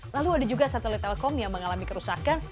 lalu ada juga satelit telkom yang mengalami kerusakan